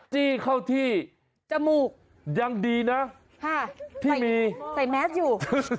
จี้เข้าที่จมูกยังดีนะที่มีใส่แมสอยู่